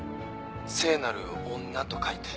「聖なる女」と書いて。